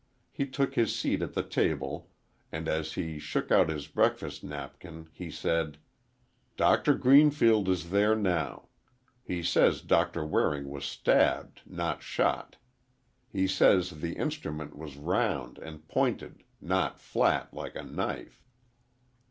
He took his seat at the table and as he shook out his breakfast napkin he said, "Doctor Greenfield is there now. He says Doctor Waring was stabbed not shot. He says the instrument was round and pointed—not flat, like a knife."